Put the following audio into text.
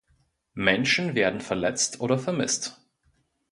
Menschen werden verletzt oder vermisst.